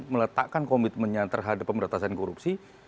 meletakkan komitmennya terhadap pemberantasan korupsi